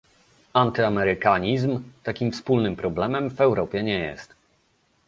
Antyamerykanizm takim wspólnym problemem w Europie nie jest